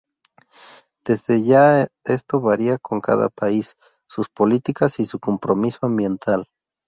Desde ya esto varía con cada país, sus políticas y su compromiso ambiental.